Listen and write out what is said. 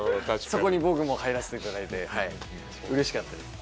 そこに僕も入らせていただいてうれしかったです。